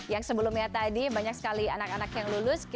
yang sebelumnya tadi banyak sekali anak anak yang lulus